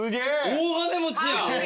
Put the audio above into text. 大金持ちや！